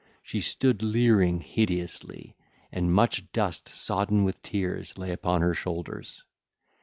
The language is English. She stood leering hideously, and much dust sodden with tears lay upon her shoulders.